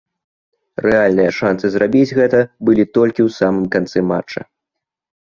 Рэальныя шанцы зрабіць гэта былі толькі ў самым канцы матча.